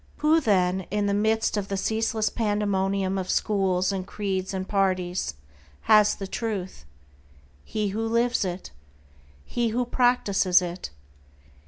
Who, then, in the midst of the ceaseless pandemonium of schools and creeds and parties, has the Truth? He who lives it. He who practices it.